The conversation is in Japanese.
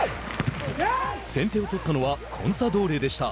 先手を取ったのはコンサドーレでした。